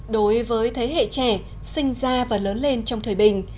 đối với thế hệ trẻ sinh ra và lớn lên trong thời bình